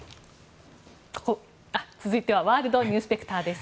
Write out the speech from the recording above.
続いてはワールドニュースペクターです。